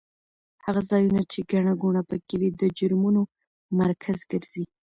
هغه ځایونه چې ګڼه ګوڼه پکې وي د جرمونو مرکز ګرځي.